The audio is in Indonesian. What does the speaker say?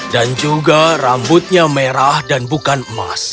dan juga rambutnya merah dan bukan emas